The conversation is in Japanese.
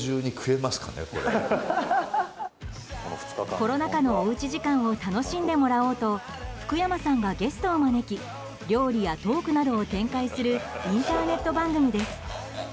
コロナ禍のおうち時間を楽しんでもらおうと福山さんがゲストを招き料理やトークを展開するインターネット番組です。